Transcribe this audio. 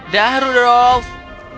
dan itu membawa kita kembali ke